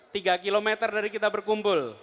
tiga kilometer dari kita berkumpul